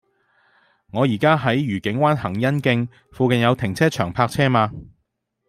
我依家喺愉景灣蘅欣徑，附近有停車場泊車嗎